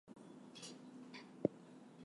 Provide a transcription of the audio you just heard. The bellies communicate through numerous holes.